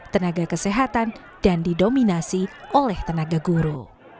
tenaga kesehatan dan didominasi oleh tenaga guru